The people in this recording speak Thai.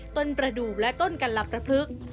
ต้นประดูกและต้นกันลับระพึก